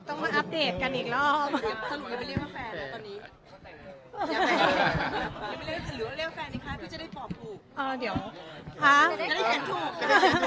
มาอัปเดตกันอีกรอบสรุปแล้วไปเรียกว่าแฟนแล้วตอนนี้